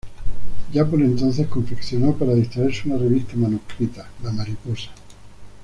Ya por entonces confeccionó para distraerse una revista manuscrita, "La Mariposa".